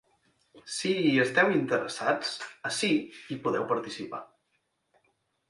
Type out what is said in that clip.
Si hi esteu interessats, ací hi podeu participar.